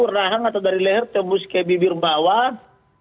rahang atau dari leher tembus ke bibir bawah